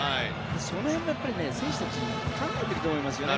その辺はやっぱり考えていると思いますね。